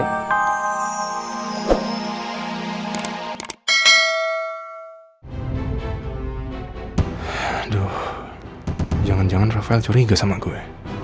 aduh jangan jangan rafael curiga sama gue